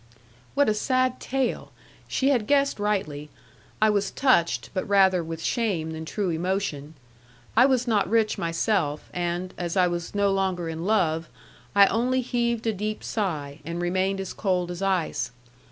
What a sad tale! She had guessed rightly. I was touched, but rather with shame than true emotion. I was not rich myself, and, as I was no longer in love, I only heaved a deep sigh, and remained as cold as ice.